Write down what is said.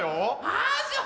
ああそう！